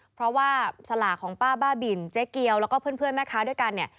เพราะว่าสลากของป้าบ้าบินเจ๊เกียวแล้วก็เพื่อนแม่ค้าด้วยกันเนี่ย